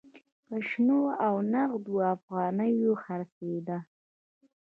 په شنو او نغدو افغانیو خرڅېده.